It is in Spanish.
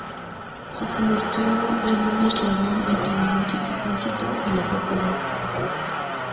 Se convirtió en un eslabón entre la música clásica y la popular.